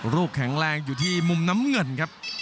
แข็งแรงอยู่ที่มุมน้ำเงินครับ